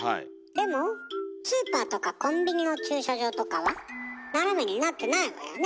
でもスーパーとかコンビニの駐車場とかは斜めになってないわよね。